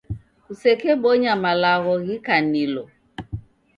Kusekebonya malagho ghikanilo.